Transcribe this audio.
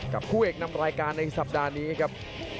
คู่เอกนำรายการในสัปดาห์นี้ครับ